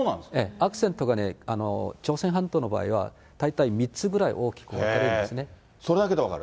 アクセントが朝鮮半島の場合は大体３つぐらい大きく分かれるそれだけで分かる？